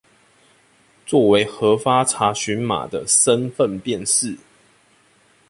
作為核發查詢碼的身分辨識